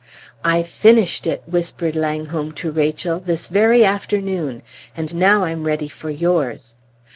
"I've finished it," whispered Langholm to Rachel, "this very afternoon; and now I'm ready for yours!